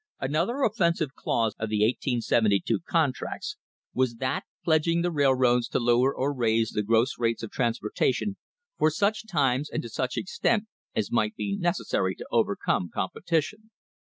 Another offensive clause of the 1872 contracts was that pledging the railroads to lower or raise the gross rates of transportation for such times and to such extent as might be necessary to overcome competition.